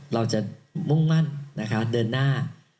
เราจะมุ่งมั่นนะคะเดินหน้า